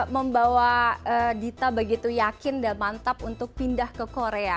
membawa dita begitu yakin dan mantap untuk pindah ke korea